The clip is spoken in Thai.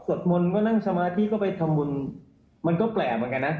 มนต์ก็นั่งสมาธิก็ไปทำบุญมันก็แปลกเหมือนกันนะ